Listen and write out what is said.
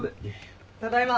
・ただいま。